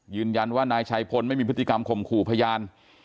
ยืนยันว่านายชัยพลไม่มีพฤติกรรมข่มขู่พยาน